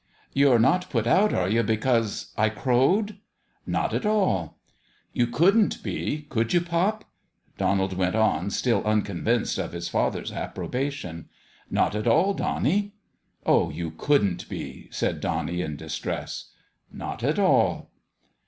" You're not put out, are you, because I crowed ?"" Not at all." "You couldn't be, could you, pop?" Donald went on, still unconvinced of his father's appro bation. " Not at all, Donnie." " Oh, you couldrit be !" said Donnie, in dis tress. " Not at all."